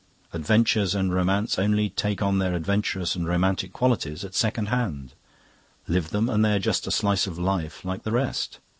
Adventures and romance only take on their adventurous and romantic qualities at second hand. Live them, and they are just a slice of life like the rest.